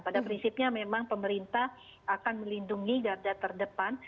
pada prinsipnya memang pemerintah akan melindungi garda terdepan